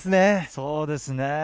そうですね。